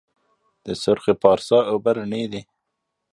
د سرخ پارسا اوبه رڼې دي